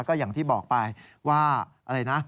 ก็อย่างที่บอกไปว่า